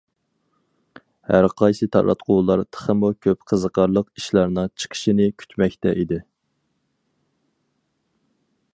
ھەرقايسى تاراتقۇلار تېخىمۇ كۆپ قىزىقارلىق ئىشلارنىڭ چىقىشىنى كۈتمەكتە ئىدى.